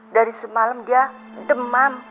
dari semalam dia demam